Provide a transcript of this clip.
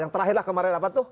yang terakhirlah kemarin apa tuh